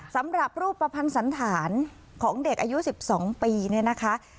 สำหรับรูปประพันธ์สันธารของเด็กอายุ๑๒ปีเนี่ยนะคะ